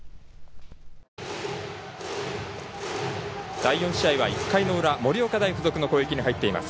第４試合は１回の裏盛岡大付属の攻撃に入っています。